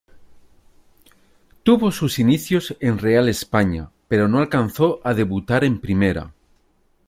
Tuvo sus inicios en Real España, pero no alcanzó a debutar en primera.